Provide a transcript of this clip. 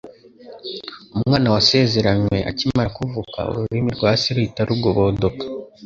Umwana wasezeranywe akimara kuvuka, ururimi rwa se ruhita rugobodoka.